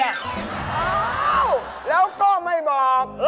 อ้าวแล้วก็ไม่บอก